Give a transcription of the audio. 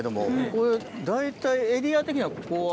これ大体エリア的にはここは？